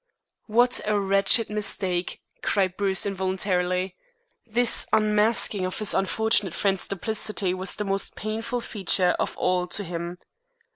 "What a wretched mistake," cried Bruce involuntarily. This unmasking of his unfortunate friend's duplicity was the most painful feature of all to him.